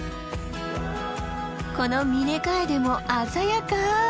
このミネカエデも鮮やか。